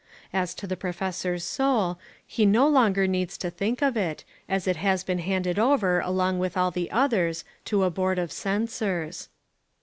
As to the professor's soul, he no longer needs to think of it as it has been handed over along with all the others to a Board of Censors.